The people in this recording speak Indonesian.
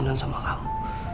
keturunan sama kamu